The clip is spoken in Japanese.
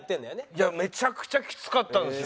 いやめちゃくちゃきつかったんですよ。